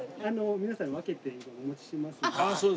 皆さんに分けてお持ちしますので。